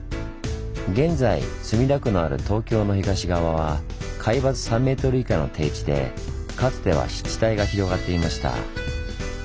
現在墨田区のある東京の東側は海抜３ｍ以下の低地でかつては湿地帯が広がっていました。